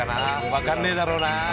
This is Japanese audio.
分かんねえだろうな。